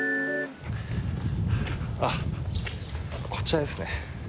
あっこちらですね。